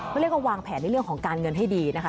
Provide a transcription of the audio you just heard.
เขาเรียกว่าวางแผนในเรื่องของการเงินให้ดีนะคะ